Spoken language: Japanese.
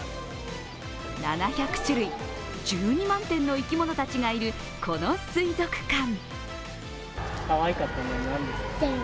７００種類、１２万点の生き物たちがいるこの水族館。